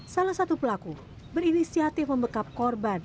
salah satu pelaku berinisiatif membekap korban